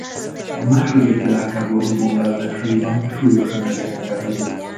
A második világháború bombázásaiban súlyosan megrongálódott.